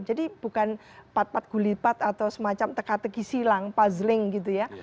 jadi bukan pat pat gulipat atau semacam teka teki silang puzzling gitu ya